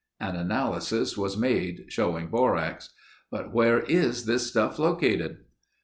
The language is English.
An analysis was made showing borax. "But where is this stuff located?"